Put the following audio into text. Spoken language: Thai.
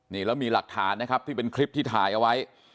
นี่แล้วมีหลักฐานนะครับที่เป็นคลิปที่ถ่ายเอาไว้